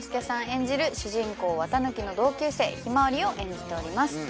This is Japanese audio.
演じる主人公四月一日の同級生ひまわりを演じております